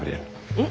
うん。